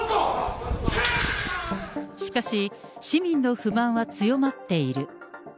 しかし、市民の不満は強まっている。